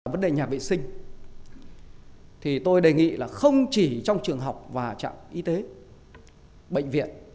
vấn đề nhà vệ sinh thì tôi đề nghị là không chỉ trong trường học và trạm y tế bệnh viện